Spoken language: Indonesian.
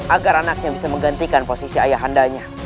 agar anaknya bisa menggantikan posisi ayahandanya